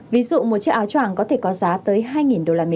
ví dụ một chiếc áo tràng có thể có giá tới hai đô la mỹ